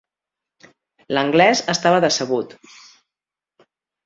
L'Anglès estava decebut.